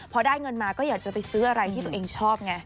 พอได้เงินมาก็อยากจะไปซื้ออะไรที่ตัวเองชอบไง